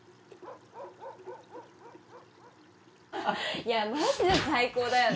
いやマジで最高だよね。